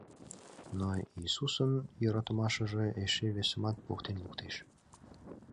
Но Иисусын йӧратымашыже эше весымат поктен луктеш.